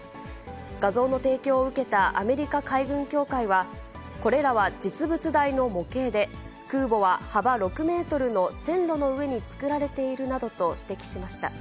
画像の提供を受けたアメリカ海軍協会は、これらは実物大の模型で、空母は幅６メートルの線路の上に造られているなどと指摘しました。